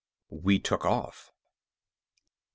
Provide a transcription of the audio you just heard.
We took off.